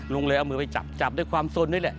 ลุงเลยเอามือไปจับจับด้วยความสนด้วยแหละ